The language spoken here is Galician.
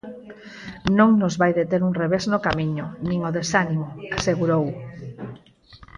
Non nos vai deter un revés no camiño, nin o desánimo, asegurou.